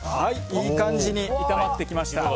いい感じに炒まってきました。